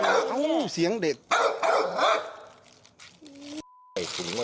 แล้วนี่คือขาว